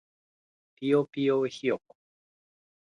ぴよぴよひよこ